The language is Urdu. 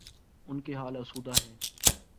ان کے حال آسودہ ہیں۔